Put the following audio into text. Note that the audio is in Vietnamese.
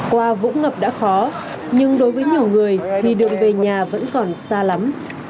qua vũng ngập đã khó nhưng đối với nhiều người thì đường về nhà vẫn còn xa lắm